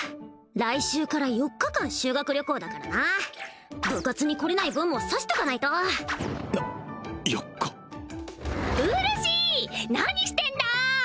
来週から４日間修学旅行だからな部活に来れない分も指しとかないとなっ４日うるし何してんだ！